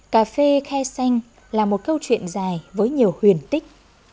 cà phê khe xanh là một câu chuyện dài với nhiều huyền tích